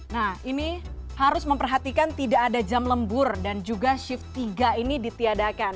nah ini harus memperhatikan tidak ada jam lembur dan juga shift tiga ini ditiadakan